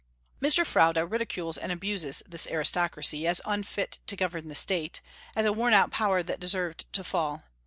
Mr. Froude ridicules and abuses this aristocracy, as unfit longer to govern the State, as a worn out power that deserved to fall.